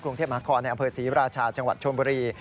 กรุงเทพมหานครในอำเภอศรีราชาจังหวัดชนบุรี